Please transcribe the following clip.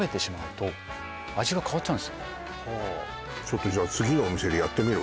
ちょっとじゃあ次のお店でやってみる